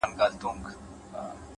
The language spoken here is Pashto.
هره پوښتنه نوې دروازه پرانیزي؛